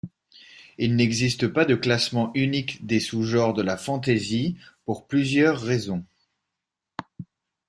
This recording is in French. Il n'existe pas de classement unique des sous-genres de la fantasy, pour plusieurs raisons.